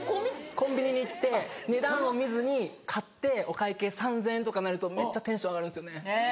コンビニに行って値段を見ずに買ってお会計３０００円とかになるとめっちゃテンション上がるんですよね。